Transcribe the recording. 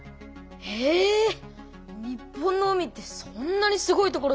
え日本の海ってそんなにすごい所だったんだ！